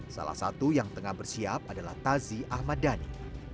salah satu yang tengah bersiap adalah tazi ahmad dhani